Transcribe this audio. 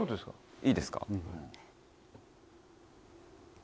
いいですか？